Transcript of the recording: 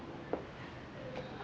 karena aku malu